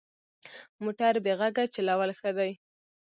موټر بې غږه چلول ښه دي.